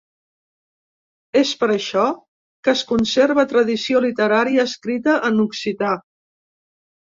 És per això que es conserva tradició literària escrita en occità.